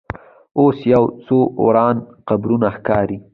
اوس یو څو وران قبرونه ښکاري.